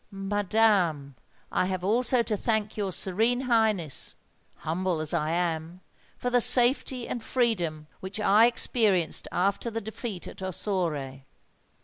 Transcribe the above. Oh! madam, I also have to thank your Serene Highness—humble as I am—for the safety and freedom which I experienced after the defeat at Ossore."